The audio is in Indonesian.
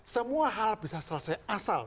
semua hal bisa selesai asal